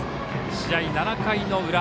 試合、７回の裏。